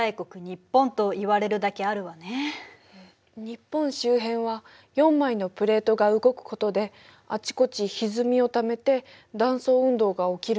日本周辺は４枚のプレートが動くことであちこちひずみをためて断層運動が起きるんだよね。